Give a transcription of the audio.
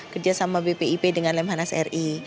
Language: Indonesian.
kerja sama bpip dengan lemhan asyik